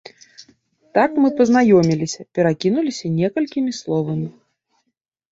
Так мы пазнаёміліся, перакінуліся некалькімі словамі.